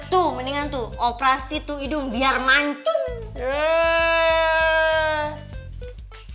tuh mendingan tuh operasi tuh idung biar mancung